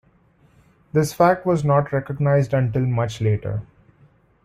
This fact was not recognized until much later.